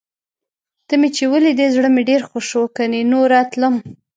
ته مې چې ولیدې، زړه مې ډېر ښه شو. کني نوره تلم.